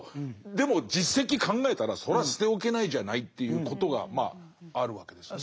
でも実績考えたらそれは捨ておけないじゃないということがまああるわけですね。